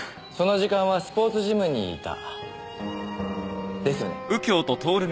その時間はスポーツジムにいた。ですよね？